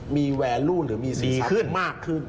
มีแวร์รุ่นหรือมีสินค้าขึ้นมากขึ้น